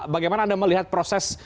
bagaimana anda melihat proses